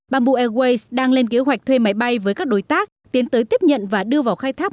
bamboo airways đang lên kế hoạch thuê máy bay với các đối tác tiến tới tiếp nhận và đưa vào khai thác